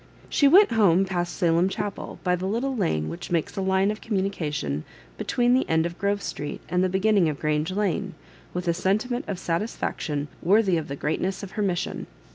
She went home past Salem Chapel by the little lane which makes a line of communica tion between the end of G rove Street and the beginning of Grange Lane, with a sentiment of satisfaction worthy the greatness of her mission.